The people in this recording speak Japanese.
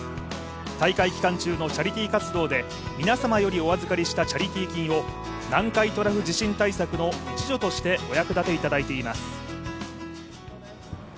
大会期間中のチャリティー活動で皆様よりお預かりしたチャリティー金を南海トラフ地震対策の一助としてお役立ていただいています。